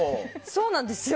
そうなんですよ。